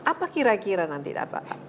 apa kira kira nanti dapat